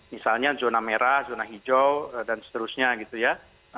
misalnya zona merah zona hijau dan seterusnya gitu ya